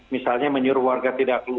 misalnya menyuruh warga tidak keluar